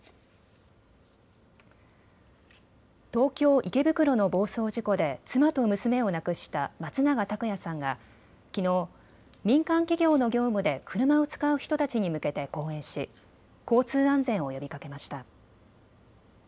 東京池袋の暴走事故で妻と娘を亡くした松永拓也さんがきのう民間企業の業務で車を使う人たちに向けて講演し交通安全を呼びかけました。